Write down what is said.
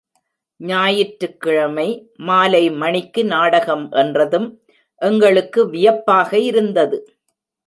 ஞாயிற்றுக்கிழமை மாலை மணிக்கு நாடகம் என்றதும் எங்களுக்கு வியப்பாக இருந்தது.